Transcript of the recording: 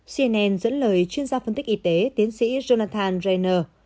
cnn dẫn lời chuyên gia phân tích y tế tiến sĩ jonathan rayner